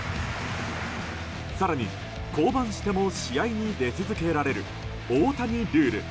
更に降板しても試合に出続けられる大谷ルール。